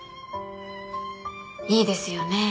いいですよね